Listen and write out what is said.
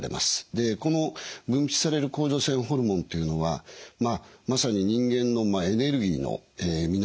この分泌される甲状腺ホルモンっていうのはまさに人間のエネルギーの源。